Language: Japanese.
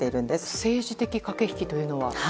政治的駆け引きというのは？